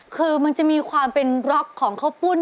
คือมันจะมีความเป็นร็อกของข้าวปุ้น